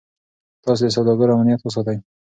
تاسي د سوداګرو امنیت وساتئ.